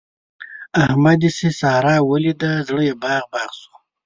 احمد چې سارا وليده؛ زړه يې باغ باغ شو.